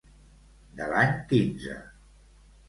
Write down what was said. De l'any quinze.